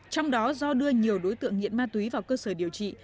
trong đó do đưa nhiều đối tượng nghiện ma túy vào cơ sở điều trị